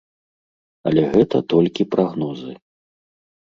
Але гэта толькі прагнозы.